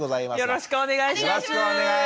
よろしくお願いします。